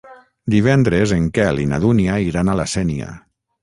Divendres en Quel i na Dúnia iran a la Sénia.